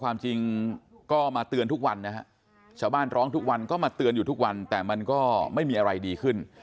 ความจริงก็มาเตือนทุกวันนะฮะชาวบ้านร้องทุกวันก็มาเตือนอยู่ทุกวันแต่มันก็ไม่มีอะไรดีขึ้น